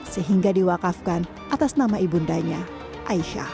sehingga diwakafkan atas nama ibundanya aisyah